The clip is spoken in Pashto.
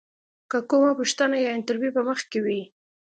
که کومه پوښتنه یا انتریو په مخ کې وي.